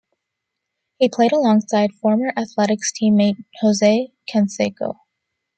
He played alongside former Athletics teammate Jose Canseco.